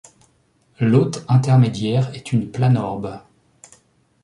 L'hôte intermédiaire est une planorbe.